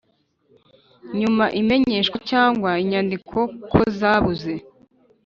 nyuma imenyesha cyangwa inyandiko kozabuze